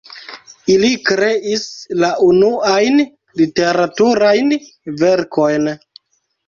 Ili kreis la unuajn literaturajn verkojn.